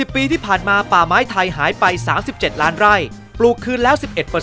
ปีที่ผ่านมาป่าไม้ไทยหายไป๓๗ล้านไร่ปลูกคืนแล้ว๑๑